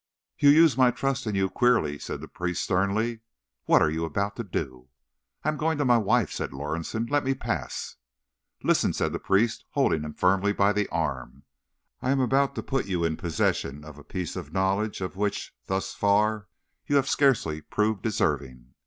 "You use my trust in you queerly," said the priest sternly. "What are you about to do?" "I am going to my wife," said Lorison. "Let me pass." "Listen," said the priest, holding him firmly by the arm. "I am about to put you in possession of a piece of knowledge of which, thus far, you have scarcely proved deserving.